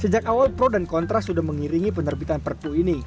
sejak awal pro dan kontra sudah mengiringi penerbitan perpu ini